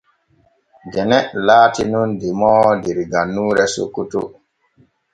Gene laati nun demoowo der gannuure Sokoto.